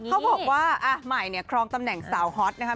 เขาบอกว่าใหม่เนี่ยครองตำแหน่งสาวฮอตนะครับ